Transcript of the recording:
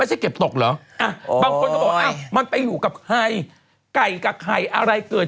ไม่ใช่เก็บตกหรอ